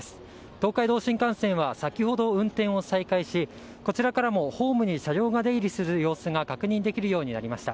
東海道新幹線は先ほど運転を再開しこちらからもホームに車両が出入りする様子が確認できるようになりました。